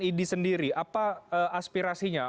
idi sendiri apa aspirasinya